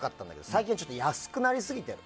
最近はちょっと安くなりすぎてるの。